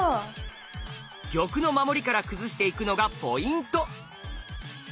玉の守りから崩していくのがポイント！